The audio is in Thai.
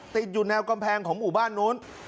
ติดอยู่แนวกำแพงของหมู่บ้านนู้น